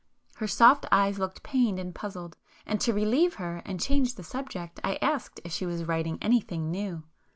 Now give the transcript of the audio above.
Her soft eyes looked pained and puzzled, and to relieve her and change the subject, I asked if she was writing anything new.